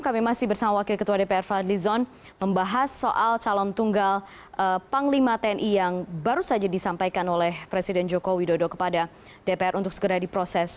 kami masih bersama wakil ketua dpr fadli zon membahas soal calon tunggal panglima tni yang baru saja disampaikan oleh presiden joko widodo kepada dpr untuk segera diproses